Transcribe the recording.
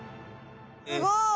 すごい！